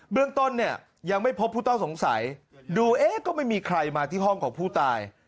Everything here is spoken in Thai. เรื่องต้นเนี่ยยังไม่พบผู้ต้องสงสัยดูเอ๊ะก็ไม่มีใครมาที่ห้องของผู้ตาย